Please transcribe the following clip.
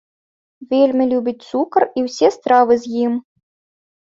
Вельмі любіць цукар і ўсе стравы з ім.